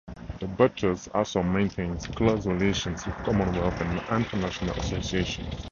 The Butchers' also maintains close relations with Commonwealth and international associations.